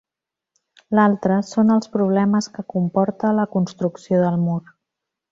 L'altra són els problemes que comporta la construcció del mur.